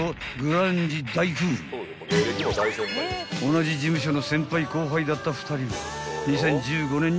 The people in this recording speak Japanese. ［同じ事務所の先輩後輩だった２人は］